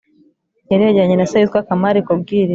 Yari yajyanye na se witwa Kamari kubwiriza